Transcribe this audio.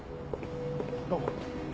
どうも。